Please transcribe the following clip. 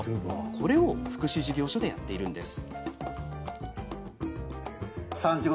これを福祉事業所でやっているんです。